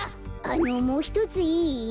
あのもうひとついい？